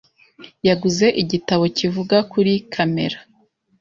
yaguze igitabo kivuga kuri kamera.